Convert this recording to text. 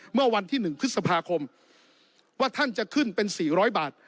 เมื่อวันที่๑พฤษภาคมว่าท่านจะขึ้นเป็น๔๐๐บาท